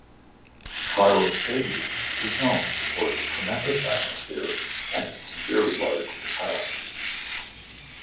Cairo Stadium is known for its tremendous atmosphere and its very large capacity.